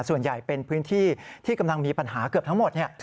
ส่วนใหญ่เป็นพื้นที่ที่กำลังมีปัญหาเกือบทั้งหมด